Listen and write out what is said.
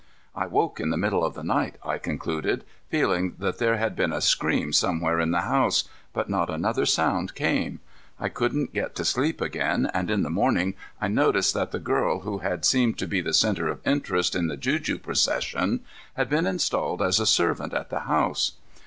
"I woke in the middle of the night," I concluded, "feeling that there had been a scream somewhere in the house, but not another sound came. I couldn't get to sleep again, and in the morning I noticed that the girl who had seemed to be the center of interest in the juju procession had been installed as a servant at the house.